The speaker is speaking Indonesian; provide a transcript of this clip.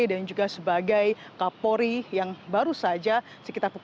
dan juga sebagai kapolri yang baru saja dianggap sebagai kapolri